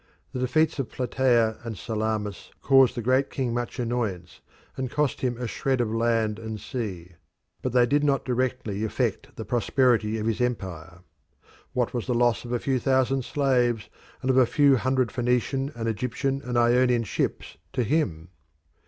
The defeats of Plataea and Salamis caused the Great King much annoyance, and cost him a shred of land and sea. But they did not directly affect the prosperity of his empire. What was the loss of a few thousand slaves, and of a few hundred Phoenician and Egyptian and Ionian ships, to him?